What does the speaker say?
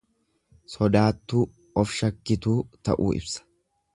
Sodaattuu, of shakkituu ta'uu ibsa.